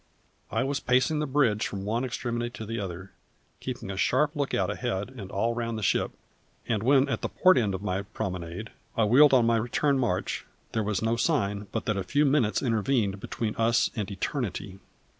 I was pacing the bridge from one extremity to the other, keeping a sharp look out ahead and all round the ship; and when, at the port end of my promenade, I wheeled on my return march, there was no sign that but a few minutes intervened between us and eternity.